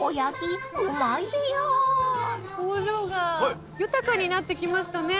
表情が豊かになってきましたね